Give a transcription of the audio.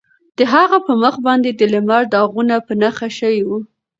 د هغه په مخ باندې د لمر داغونه په نښه شوي وو.